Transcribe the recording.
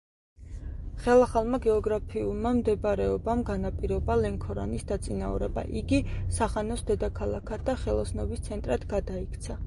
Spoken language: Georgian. ხელსაყრელმა გეოგრაფიულმა მდებარეობამ განაპირობა ლენქორანის დაწინაურება; იგი სახანოს დედაქალაქად და ხელოსნობის ცენტრად გადაიქცა.